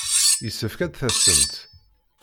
Yessefk ad d-tasemt.